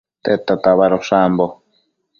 Tedta tabadosh ambo?